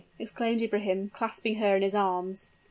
exclaimed Ibrahim, clasping her in his arms.